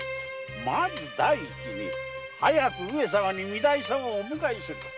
まず第一に“早く上様に御台様をお迎えすること”